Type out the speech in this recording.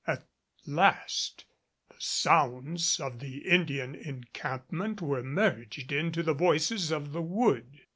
At last the sounds of the Indian encampment were merged into the voices of the wood.